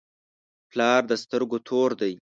پلار د سترګو تور دی.